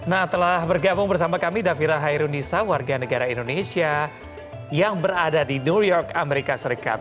nah telah bergabung bersama kami davira hairunisa warga negara indonesia yang berada di new york amerika serikat